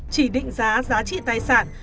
chỉ định giá giá trị tài sản